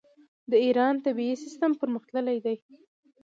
د ایران طبي سیستم پرمختللی دی.